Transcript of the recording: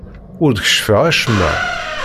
Ur d-keccfeɣ acemma.